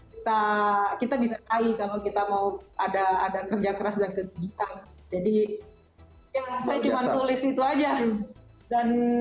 kita kita bisa tahu kalau kita mau ada ada kerja keras dan kegiatan jadi ya saya cuma tulis itu aja dan